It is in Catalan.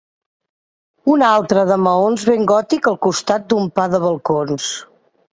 Un altre de maons ben gòtic al costat un pa de balcons